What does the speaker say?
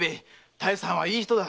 多江さんはいい人だ。